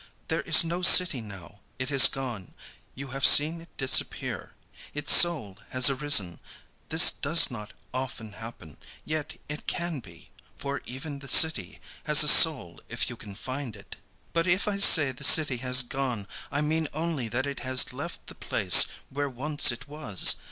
"There is no city now. It has gone. You have seen it disappear. Its soul has arisen. This does not often happen, yet it can be, for even the city has a soul if you can find it. "But if I say the city has gone, I mean only that it has left the place where once it was.